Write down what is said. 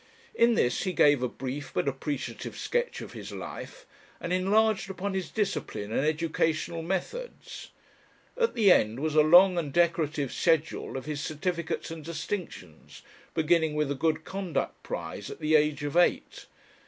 In this he gave a brief but appreciative sketch of his life, and enlarged upon his discipline and educational methods. At the end was a long and decorative schedule of his certificates and distinctions, beginning with a good conduct prize at the age of eight.